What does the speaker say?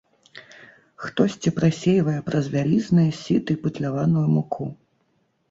Хтосьці прасейвае праз вялізныя сіты пытляваную муку.